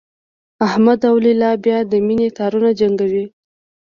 احمد او لیلا بیا د مینې تارونه جنګوي